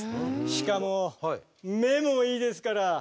しかも目もいいですから。